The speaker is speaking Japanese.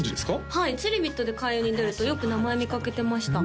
はいつりビットで開運に出るとよく名前見かけてました